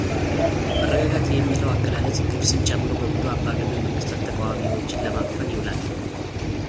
መረጋጋት የሚለው አገላለጽ ግብጽን ጨምሮ በብዙ አምባገነን መንግሥታት ተቃዋሚዎችን ለማፈን ይውላል።